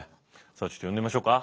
ちょっと呼んでみましょうか。